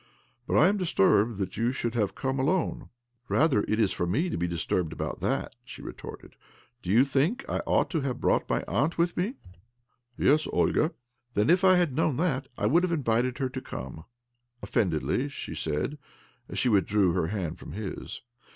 '" But I am disturbed that you should have come alone." " Rather, it is for me to, be disturbed about that," she retorted. ' Do you think I ought to have brought my aunt with me?" '^Ves, Olga." '■ Then, if I had iknown that, I would have invited her to come," offendedly she said as she withdrew her hand from his.